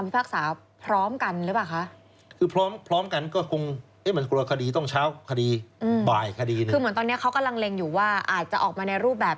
เป็นครับ